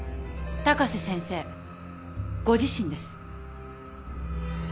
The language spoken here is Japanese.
高瀬先生ご自身です。